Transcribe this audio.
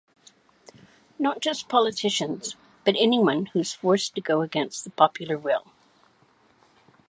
Not just politicians, but anyone who's forced to go against the popular will.